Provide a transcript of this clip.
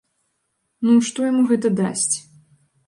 Ну, што гэта яму дасць?